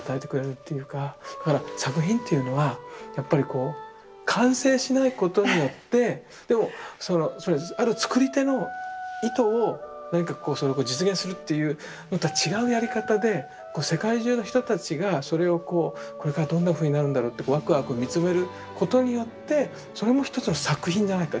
だから作品っていうのはやっぱりこう完成しないことによってでもあるつくり手の意図を何かこうそれを実現するっていうまた違うやり方で世界中の人たちがそれをこうこれからどんなふうになるんだろうってワクワク見つめることによってそれも一つの作品じゃないか。